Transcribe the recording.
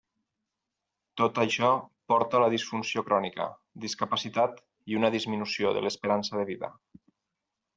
Tot això porta a la disfunció crònica, discapacitat i una disminució de l'esperança de vida.